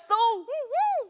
うんうん！